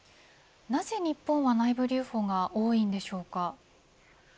なぜ日本は内部留保が多いのでしょうか。